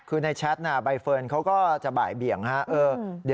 คือในแชทใบเฟิร์นเขาก็จะบ่ายเบี่ยงครับ